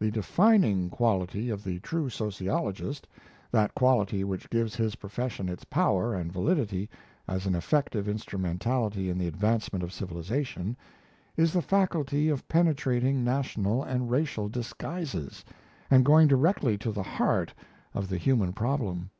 The defining quality of the true sociologist, that quality which gives his profession its power and validity as an effective instrumentality in the advancement of civilization, is the faculty of penetrating national and racial disguises, and going directly to the heart of the human problem.